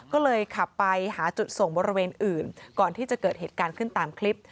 ก็เลยขับไปหาจุดส่งบริเวณอื่นก่อนที่จะเกิดเหตุการณ์ขึ้นตามคลิป